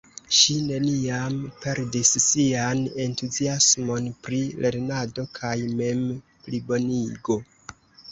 Ŝi neniam perdis sian entuziasmon pri lernado kaj memplibonigo.